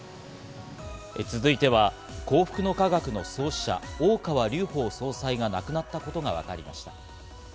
続いては「幸福の科学」の創始者・大川隆法総裁が亡くなったことがわかりました。